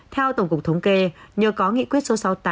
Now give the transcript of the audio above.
theo tổng cục thống kê nhờ có nghị quyết số sáu mươi tám